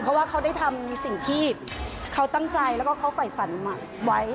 เพราะว่าเขาได้ทำในสิ่งที่เขาตั้งใจแล้วก็เขาฝ่ายฝันไว้